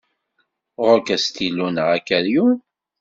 Ɣur-k astilu neɣ akeryun?